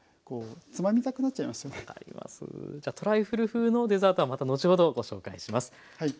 じゃあトライフル風のデザートはまた後ほどご紹介します。